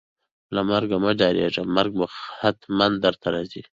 له مرګ مه ډاریږئ ، مرګ به ختمن درته راځي